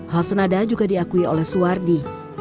hal senada juga diakui oleh suwardi